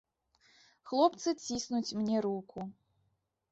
Хлопцы ціснуць мне руку.